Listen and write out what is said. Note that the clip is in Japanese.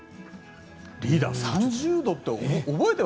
リーダー、３０度って。